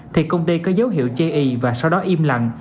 thì công ty có dấu hiệu chê ý và sau đó im lặng